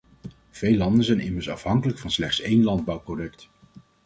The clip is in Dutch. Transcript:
Veel landen zijn immers afhankelijk van slechts één landbouwproduct.